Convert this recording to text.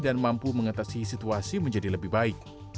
dan mampu mengatasi situasi menjadi lebih baik